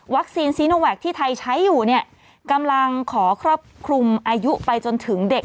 ซีโนแวคที่ไทยใช้อยู่เนี่ยกำลังขอครอบคลุมอายุไปจนถึงเด็ก